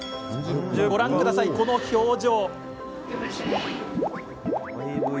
ご覧ください、この表情。